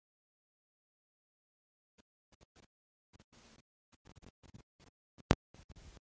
د لغت اصلي مانا ثابته ده؛ خو ګرامري مانا د جملې له مخه بدلیږي.